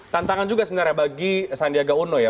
tantangan juga sebenarnya bagi sandiaga uno ya